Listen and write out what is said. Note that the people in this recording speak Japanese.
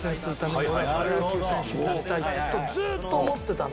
ずっと思ってた。